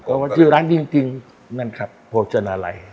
เพราะว่าชื่อร้านจริงนั่นครับโภชนาลัย